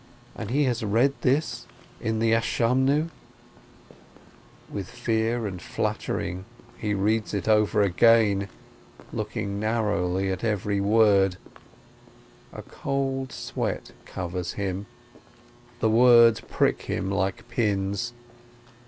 And he has read this in the Prayer of Expiation ? With fear and fluttering he reads it over again, looking nar rowly at every word — a cold sweat covers him — the words prick him like pins.